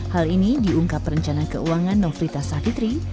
hal ini diungkap perencana keuangan nofrita savitri